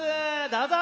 どうぞ！